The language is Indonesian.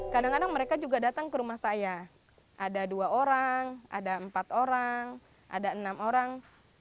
kadang kadang mereka juga datang ke rumah saya ada dua orang ada empat orang ada enam orang